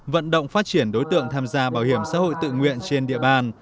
vận động phát triển đối tượng tham gia bảo hiểm xã hội tự nguyện trên địa bàn